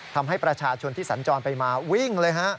ทำให้ประชาชนที่สัญจรไปมาวิ่งเลยฮะ